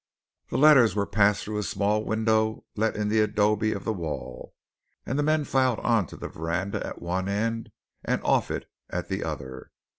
The letters were passed through a small window let in the adobe of the wall; and the men filed on to the veranda at one end and off it at the other.